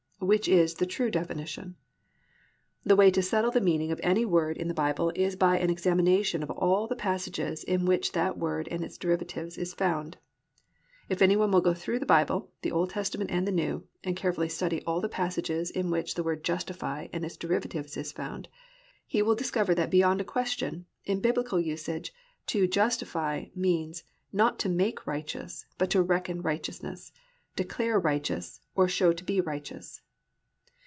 Which is the true definition? The way to settle the meaning of any word in the Bible is by an examination of all the passages in which that word and its derivatives is found. If any one will go through the Bible, the Old Testament and the New, and carefully study all the passages in which the word "justify" and its derivatives is found, he will discover that _beyond a question, in Biblical usage, to "justify" means, not to make righteous, but to reckon righteousness, declare righteous, or show to be righteous.